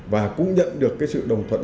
và cũng nhận được cái sự đồng thuận